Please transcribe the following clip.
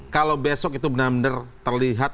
kalau besok itu benar benar terlihat